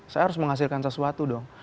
saya harus menghasilkan sesuatu dong